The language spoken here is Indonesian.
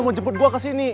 mau jemput gue kesini